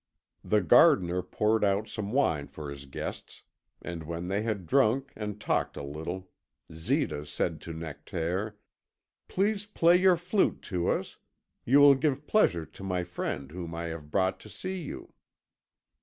The gardener poured out some wine for his guests, and when they had drunk and talked a little, Zita said to Nectaire: "Please play your flute to us, you will give pleasure to my friend whom I have brought to see you."